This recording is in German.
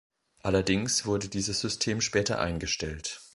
Allerdings wurde dieses System später eingestellt.